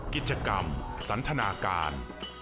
กิจกรรมสันทนาการ